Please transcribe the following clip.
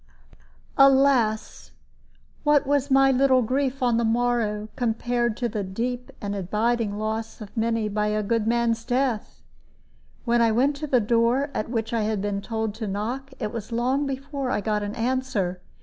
Alas! What was my little grief on the morrow, compared to the deep and abiding loss of many by a good man's death? When I went to the door at which I had been told to knock, it was long before I got an answer.